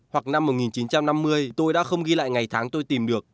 hoặc năm một nghìn chín trăm năm mươi tôi đã không ghi lại ngày tháng tôi tìm được